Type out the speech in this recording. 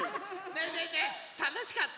ねえねえねえたのしかった？